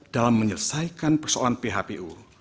dalam menyelesaikan persoalan phpu